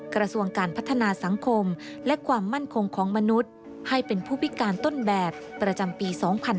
กระทรวงการพัฒนาสังคมและความมั่นคงของมนุษย์ให้เป็นผู้พิการต้นแบบประจำปี๒๕๕๙